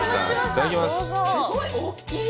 すごい大きい！